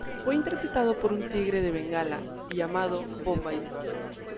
Fue interpretado por un tigre de bengala llamado Bombay.